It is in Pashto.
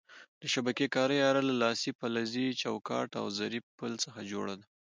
د شبکې کارۍ اره له لاسۍ، فلزي چوکاټ او ظریف پل څخه جوړه ده.